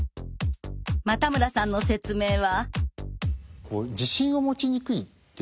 又村さんの説明は。